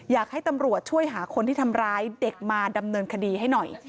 อยากให้ตำรวจช่วยหาคนที่ทำร้ายเด็กมาดำเนินคดีให้หน่อย